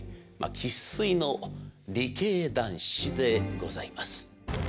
生っ粋の理系男子でございます。